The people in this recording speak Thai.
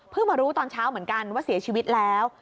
มารู้ตอนเช้าเหมือนกันว่าเสียชีวิตแล้ว